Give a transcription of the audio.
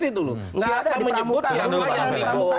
tidak ada yang di pramuka